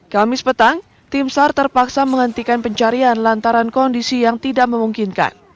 kamis petang tim sar terpaksa menghentikan pencarian lantaran kondisi yang tidak memungkinkan